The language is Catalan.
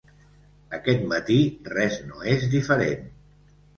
Aquest matí res no és diferent.